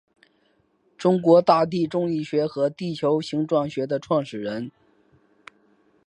中国大地重力学和地球形状学的创始人。